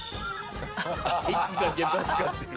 あいつだけ助かってる。